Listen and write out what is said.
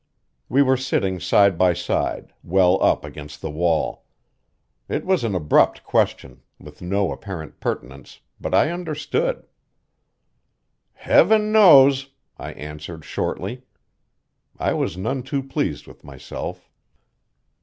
We were sitting side by side, well up against the wall. It was an abrupt question, with no apparent pertinence, but I understood. "Heaven knows!" I answered shortly. I was none too pleased with myself.